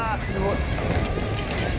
すごい。